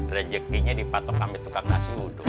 rezekinya dipatok kami tukang nasi uduk